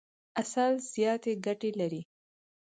عسل زیاتي ګټي لري.